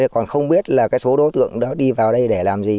còn không biết là cái số đối tượng đó đi vào đây để làm gì